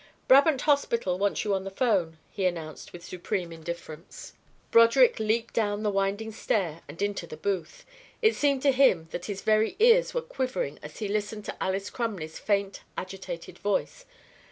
"Brabant Hospital wants you on the 'phone," he announced, with supreme indifference. Broderick leaped down the winding stair and into the booth. It seemed to him that his very ears were quivering as he listened to Alys Crumley's faint agitated voice.